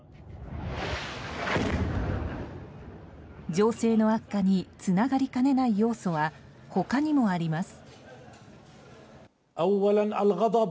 情勢の悪化につながりかねない要素は他にもあります。